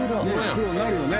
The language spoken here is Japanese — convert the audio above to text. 黒になるよね。